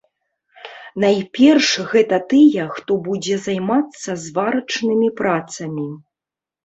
Найперш гэта тыя, хто будзе займацца зварачнымі працамі.